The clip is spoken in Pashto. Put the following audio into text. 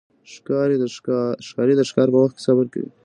ښکاري د ښکار په وخت کې صبر کوي.